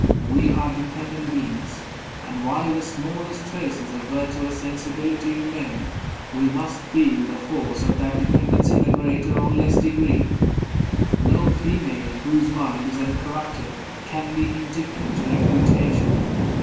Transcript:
We are dependent beings; and while the smallest traces of virtuous sensibility remain, we must feel the force of that dependence in a greater or less degree. No female, whose mind is uncorrupted, can be indifferent to reputation.